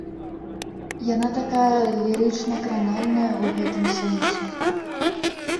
Яна такая лірычна-кранальная ў гэтым сэнсе.